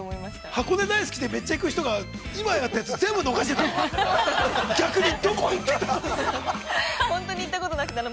◆箱根大好きで、めっちゃ行く人が今やったやつ全部逃してたの。